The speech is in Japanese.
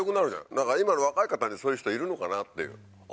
だから今の若い方にそういう人いるのかなって。